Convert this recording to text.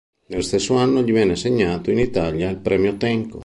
Nello stesso anno gli viene assegnato in Italia il premio Tenco.